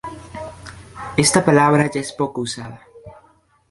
Esta palabra es ya poco usada.